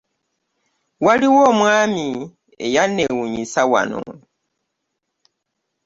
Waaliwo omwami eyanneewuunyisa wano.